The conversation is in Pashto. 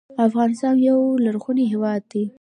افغانستان یو لرغونی هیواد دی